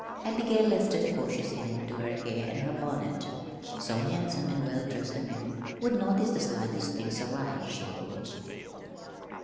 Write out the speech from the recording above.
Abigail lifted a cautious hand to her hair and her bonnet. So handsome and well dressed a man would notice the slightest thing awry, she thought.